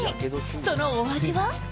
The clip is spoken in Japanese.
そのお味は。